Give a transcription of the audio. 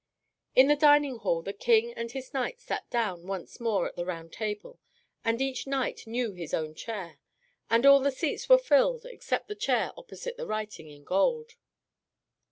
In the dining hall the King and his knights sat down once more at the Round Table, and each knight knew his own chair. And all the seats were filled except the chair opposite the writing in gold.